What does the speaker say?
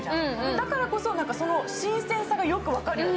だからこそよけいにその新鮮さがよく分かるよね。